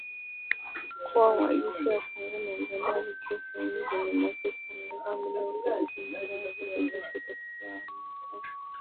kuwa majeshi ya Kongo na Uganda yalitia saini Juni mosi kuongeza muda wa operesheni zao za kijeshi katika awamu ya tatu